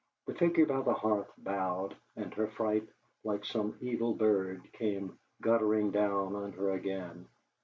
The figure by the hearth bowed, and her fright, like some evil bird, came guttering down on her again.